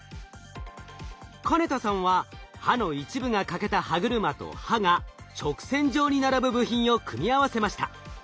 金田さんは歯の一部が欠けた歯車と歯が直線状に並ぶ部品を組み合わせました。